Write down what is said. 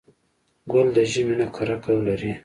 ګل د ژمي نه کرکه لري.